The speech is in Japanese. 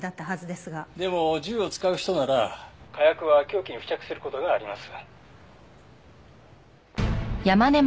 でも銃を使う人なら火薬は凶器に付着する事があります。